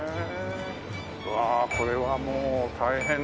うわあこれはもう大変な。